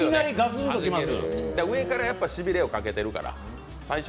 上からしびれをかけてるから。